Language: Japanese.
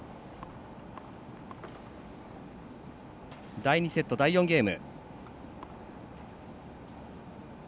第２セットの第４ゲーム。